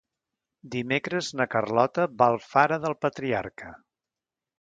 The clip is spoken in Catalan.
Dimecres na Carlota va a Alfara del Patriarca.